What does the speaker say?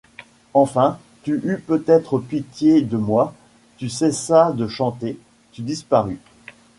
Enfin, tu eus peut-être pitié de moi, tu cessas de chanter, tu disparus.